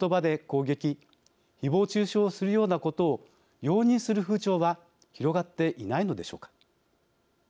攻撃ひぼう中傷するようなことを容認する風潮は広がっていないのでしょうか。